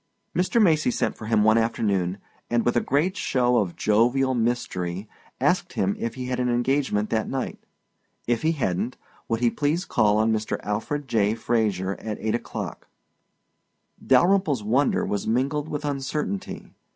Mr. Macy sent for him one afternoon and with a great show of jovial mystery asked him if he had an engagement that night. If he hadn't, would he please call on Mr. Alfred J. Fraser at eight o'clock. Dalyrimple's wonder was mingled with uncertainty.